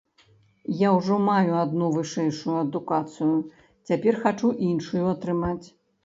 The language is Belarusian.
Я ўжо маю адну вышэйшую адукацыю, цяпер хачу іншую атрымаць.